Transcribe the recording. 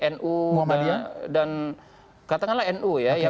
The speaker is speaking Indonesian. kelompok islam yang seperti nu dan katakanlah nu ya